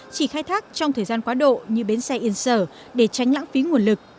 chỉ khai thác trong thời gian quá độ như bến xe yên sở để tránh lãng phí nguồn lực